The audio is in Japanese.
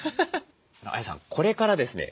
ＡＹＡさんこれからですね